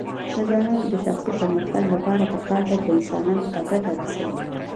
د ځوانانو د شخصي پرمختګ لپاره پکار ده چې انسانانو ته ګټه رسوي.